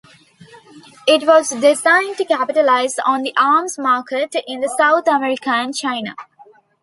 It was designed to capitalize on the arms market in South America and China.